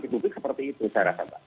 terang kembang seperti itu saya rasa